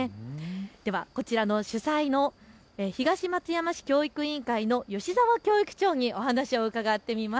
ではこちらの主催の東松山市教育委員会の吉澤教育長にお話を伺ってみます。